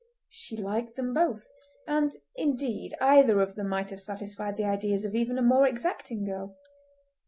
She liked them both, and, indeed, either of them might have satisfied the ideas of even a more exacting girl.